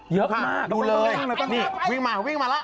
เยอะมากดูเลยวิ่งมาแล้ว